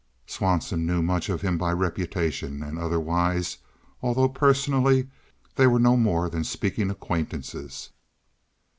Swanson knew much of him by reputation and otherwise, although personally they were no more than speaking acquaintances.